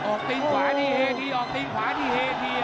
ออกตีนขวาอย่างนี้ให้ทีออกตีนขวาที่ให้ที